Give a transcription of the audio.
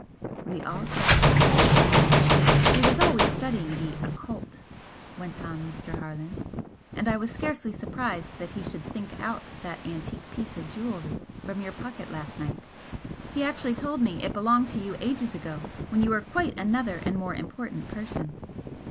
We all sat silent. "He was always studying the 'occult'" went on Mr. Harland "And I was scarcely surprised that he should 'think out' that antique piece of jewellery from your pocket last night. He actually told me it belonged to you ages ago, when you were quite another and more important person!"